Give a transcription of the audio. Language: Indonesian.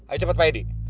ayo cepet pak edi